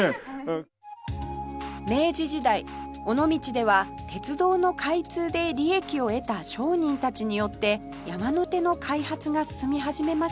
明治時代尾道では鉄道の開通で利益を得た商人たちによって山手の開発が進み始めました